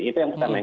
itu yang pertama